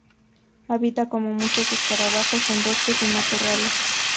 Habita, como muchos escarabajos, en bosques y matorrales.